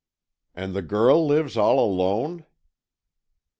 "And the girl lives all alone?"